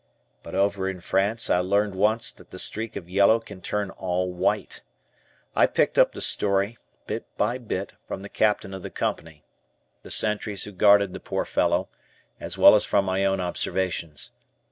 But over in France I learned once that the streak of yellow can turn all white. I picked up the story, bit by bit, from the Captain of the Company, the sentries who guarded the poor fellow, as well as from my own observations.